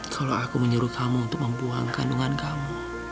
kalau aku menyuruh kamu untuk membuang kandungan kamu